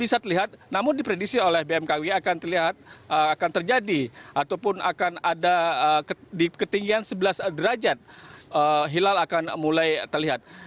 bisa terlihat namun diprediksi oleh bmkg akan terlihat akan terjadi ataupun akan ada di ketinggian sebelas derajat hilal akan mulai terlihat